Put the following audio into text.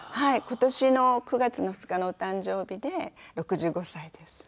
今年の９月の２日のお誕生日で６５歳です。